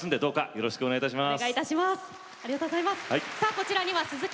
よろしくお願いします。